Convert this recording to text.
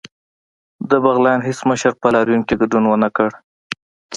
د بغلان هیڅ مشر په لاریون کې ګډون ونکړ